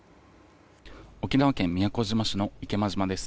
沖縄県宮古島市の池間島です。